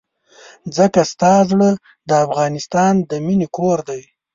ځکه ستا زړه د افغانستان د مينې کور دی.